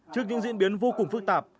trước những diễn biến vô cùng phức tạp